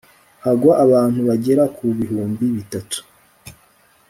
hagwa abantu bagera ku bihumbi bitatu